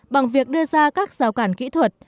bằng việc đưa ra các rào cản kỹ thuật